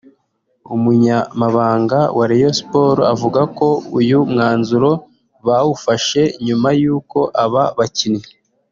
umunyamabanga wa Rayon Sports avuga ko uyu mwanzuro bawufashe nyuma y’uko aba bakinnyi